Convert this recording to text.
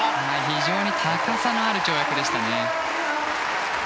非常に高さのある跳躍でしたね。